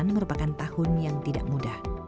merupakan tahun yang tidak mudah